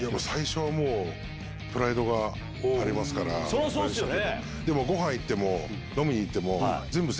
そりゃそうっすよね。